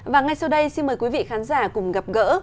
và ngay sau đây xin mời quý vị khán giả cùng gặp gỡ